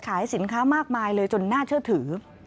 ขายสินค้ามากมายเลยจนน่าเชื่อถือ